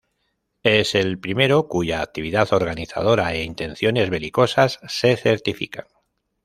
Es el primero cuya actividad organizadora e intenciones belicosas se certifican.